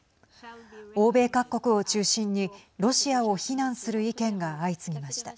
欧米各国を中心にロシアを非難する意見が相次ぎました。